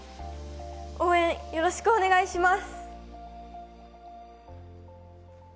応援、よろしくお願いします！